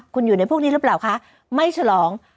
คุณอยู่ในพวกนี้หรือเปล่าคะไม่ฉลอง